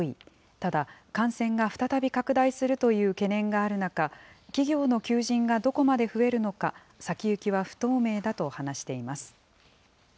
ただ、感染が再び拡大するという懸念がある中、企業の求人がどこまで増えるのか、先行きは不透明だと話しています。